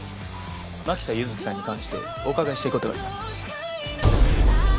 槙田柚生さんに関してお伺いしたい事があります。